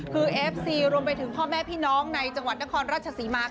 คือเอฟซีรวมไปถึงพ่อแม่พี่น้องในจังหวัดนครราชศรีมา